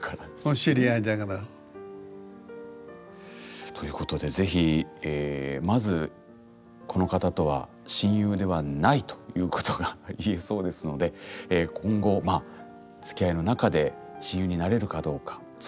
お知り合いだから。ということでぜひまずこの方とは親友ではないということが言えそうですので今後まあつきあいの中で親友になれるかどうかそれもよし。